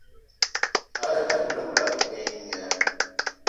A ke á dula et nya